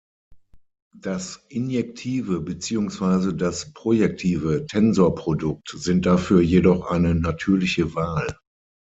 Das injektive beziehungsweise das projektive Tensorprodukt sind dafür jedoch eine natürliche Wahl.